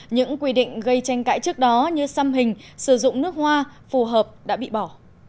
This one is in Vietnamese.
những quy định gây tranh cãi trước đó như xăm hình sử dụng nước hoa phù hợp đã bị bỏ